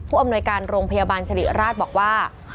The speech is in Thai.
อำนวยการโรงพยาบาลสิริราชบอกว่า